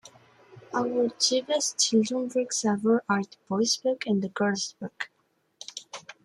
Our two best children books ever are The Boys' Book and The Girls' Book.